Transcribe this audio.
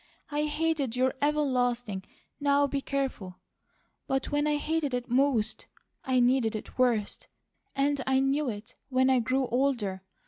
I hated your everlasting: 'Now be careful,' but when I hated it most, I needed it worst; and I knew it, when I grew older.